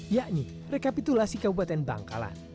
yakni rekapitulasi kabupaten bangkalan